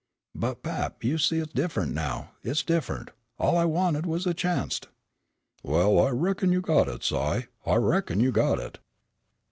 "But pap, you see it's diff'ent now. It's diff'ent, all I wanted was a chanst." "Well, I reckon you got it, Si, I reckon you got it."